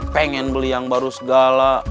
pengen beli yang baru segala